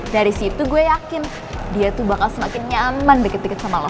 dari situ gue yakin dia tuh bakal semakin nyaman deket deket sama allah